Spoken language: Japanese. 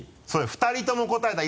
２人とも答えたら。